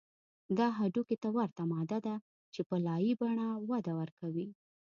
دا هډوکي ته ورته ماده ده چې په لایې په بڼه وده کوي